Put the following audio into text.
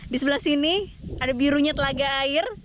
di sebelah sini ada birunya telaga air